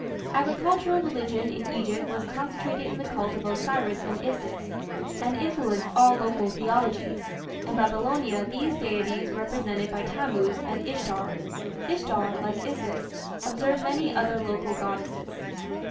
Agricultural religion in Egypt was concentrated in the cult of Osiris and Isis, and influenced all local theologies. In Babylonia these deities were represented by Tammuz and Ishtar. Ishtar, like Isis, absorbed many other local goddesses.